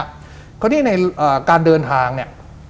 เพราะที่ในการเดินทางเนี่ย